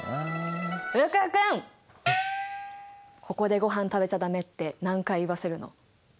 ここでごはん食べちゃダメって何回言わせるの？